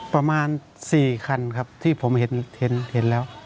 ประมาณ๔คันครับที่ผมเห็นแล้ว